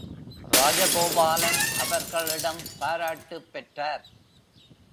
ராஜகோபாலன் அவர்களிடம் பாராட்டுப் பெற்றார்.